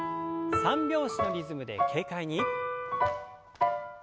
三拍子のリズムで軽快に。